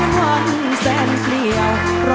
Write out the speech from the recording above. มาพี่แก้ว